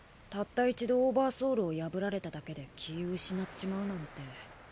たった一度オーバーソウルを破られただけで気ぃ失っちまうなんて。